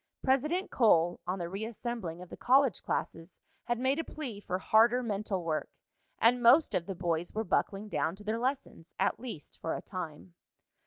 President Cole, on the reassembling of the college classes, had made a plea for harder mental work, and most of the boys were buckling down to their lessons, at least for a time.